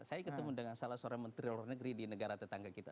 saya ketemu dengan salah seorang menteri luar negeri di negara tetangga kita